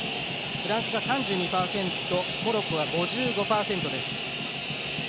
フランスが３２％モロッコは５５％です。